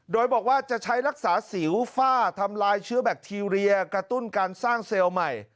โดยบอกว่าจะใช้รักษาสิวฝ้าทำลายเชื้อแบคทีเรียกระตุ้นการสร้างเซลล์ใหม่